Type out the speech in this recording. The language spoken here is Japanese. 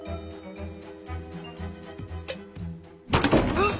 あっ！